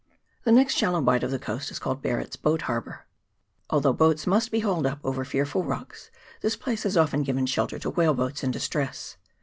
The next shallow bight of the coast is called Barret's Boat Harbour. Although boats must be hauled up over fearful rocks, this place has often given shelter to whale boats in distress.